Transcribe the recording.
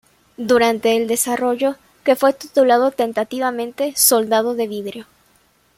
Durante el desarrollo, que fue titulado tentativamente Soldado de vidrio.